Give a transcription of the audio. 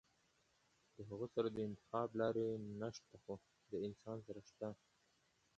د هغه سره د انتخاب لارې نشته خو د انسان سره شته -